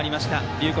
龍谷